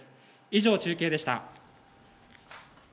以上、中継でした。